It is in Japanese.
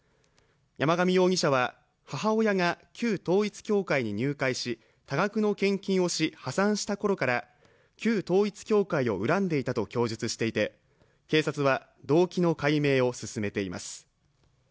山上容疑者は母親が旧統一教会に入会し多額の献金をし破産したころから旧統一教会を恨んでいたと供述していて警察は動機の解明を進めています。